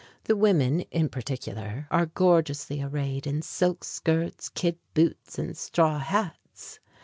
The women in particular are gorgeously arrayed in silk skirts, kid boots and straw hats.